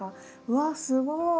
うわっすごい。